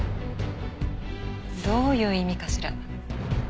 どういう意味かしら？